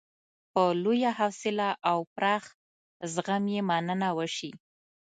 په لویه حوصله او پراخ زغم یې مننه وشي.